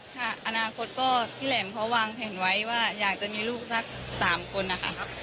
ค่ะอนาคตก็พี่แหลมเขาวางแผนไว้ว่าอยากจะมีลูกสัก๓คนนะคะ